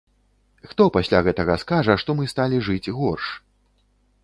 Хто пасля гэтага скажа, што мы сталі жыць горш?